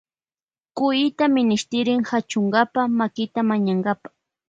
Cuyta minishtirin Kachunpa makita mañankapa.